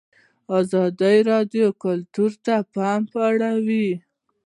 ازادي راډیو د کلتور ته پام اړولی.